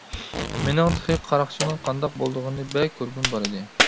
مېنىڭ تېخى قاراقچىنىڭ قانداق بولىدىغىنىنى بەك كۆرگۈم بار ئىدى.